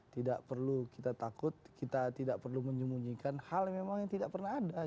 tidak perlu kita takut kita tidak perlu menyembunyikan hal yang memang tidak pernah ada